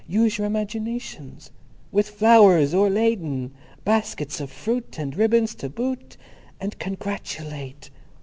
Use your imaginations. With Flowers o'erladen. Baskets of Fruit and Ribbons to boot. And _Congratulate.